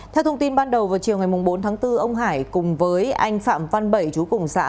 theo thông tin ban đầu vào chiều ngày bốn tháng bốn ông hải cùng với anh phạm văn bảy chú cùng xã